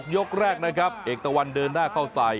ยกแรกนะครับเอกตะวันเดินหน้าเข้าใส่